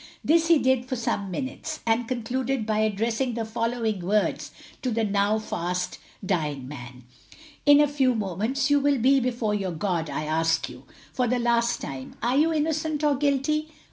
This he did for some minutes, and concluded by addressing the following words to the now fast dying man: "In a few moments you will be before your God. I ask you, for the last time, are you innocent or guilty?"